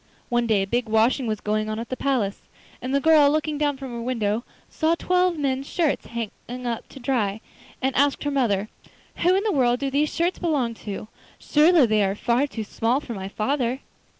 One day a big washing was going on at the palace, and the girl looking down from her window saw twelve men's shirts hanging up to dry, and asked her mother: 'Who in the world do these shirts belong to? Surely they are far too small for my father?